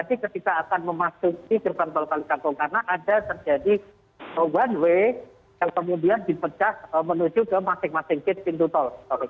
nanti ketika akan memasuki gerbang tol kali kangkung karena ada terjadi one way yang kemudian dipecah menuju ke masing masing gate pintu tol